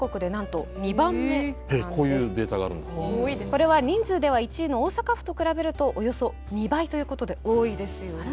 これは人数では１位の大阪府と比べるとおよそ２倍ということで多いですよね。